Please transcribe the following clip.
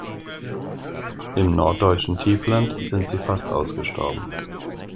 Im norddeutschen Tiefland sind sie fast ausgestorben.